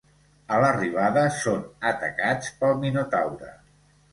A l'arribada, són atacats pel Minotaure.